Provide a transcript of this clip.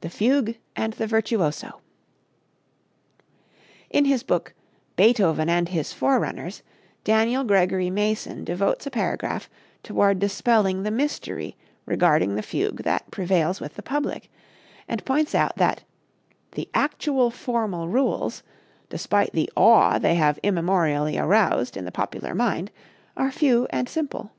The Fugue and the Virtuoso. In his book, "Beethoven and His Forerunners," Daniel Gregory Mason devotes a paragraph toward dispelling the mystery regarding the fugue that prevails with the public, and points out that "the actual formal rules, despite the awe they have immemorially aroused in the popular mind, are few and simple.